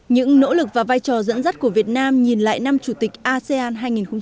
những nỗ lực và vai trò dẫn dắt của việt nam nhìn lại năm chủ tịch asean hai nghìn hai mươi